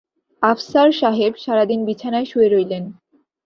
আফসার সাহেব সারা দিন বিছানায় শুয়ে রইলেন।